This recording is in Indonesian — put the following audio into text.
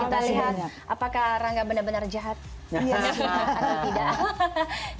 kita lihat apakah rangga benar benar jahat atau tidak